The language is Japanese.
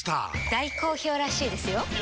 大好評らしいですよんうまい！